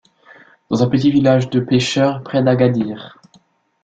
Dans un petit village de pêcheurs près d'Agadir.